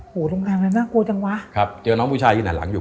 ตรงทางนั้นน่ากลัวจังวะครับเจอน้องผู้ชายยืนหันหลังอยู่